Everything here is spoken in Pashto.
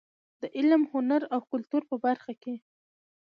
د علم، هنر او کلتور په برخه کې.